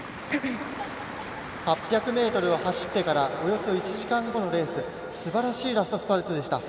８００ｍを走ってからおよそ１時間後のレースすばらしいラストスパートでした。